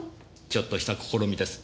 ちょっとした試みです。